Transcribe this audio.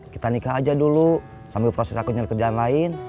kita nikah aja dulu sambil proses aku nyari kerjaan lain